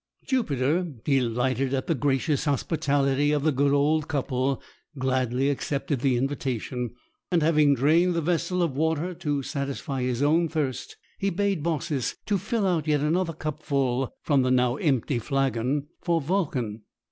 Jupiter, delighted at the gracious hospitality of the good old couple, gladly accepted the invitation; and having drained the vessel of water to satisfy his own thirst, he bade Baucis to fill out yet another cupful from the now empty flagon, for Vulcan.